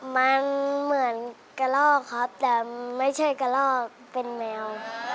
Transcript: มันเหมือนกระลอกครับแต่ไม่ใช่กระลอกเป็นแมว